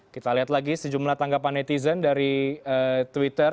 kita lihat lagi sejumlah tanggapan netizen dari twitter